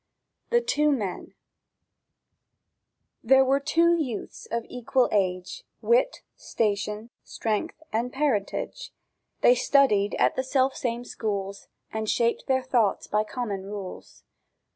THE TWO MEN THERE were two youths of equal age, Wit, station, strength, and parentage; They studied at the selfsame schools, And shaped their thoughts by common rules.